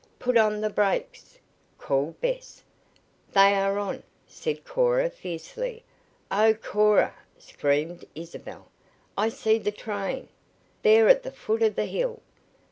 "Put on the brakes!" called Bess. "They are on!" said Cora fiercely. "Oh, Cora!" screamed Isabel. "I see the train! There at the foot of the hill!